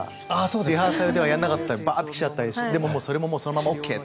リハーサルではやらなかったのにバーッてきちゃったりでもそのままＯＫと。